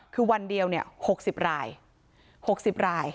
คือวันเดียว๖๐ราย๖๐ราย